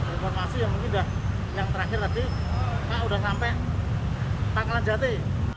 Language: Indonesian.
di informasi yang ini dah yang terakhir tadi kak udah sampai tanggalan jati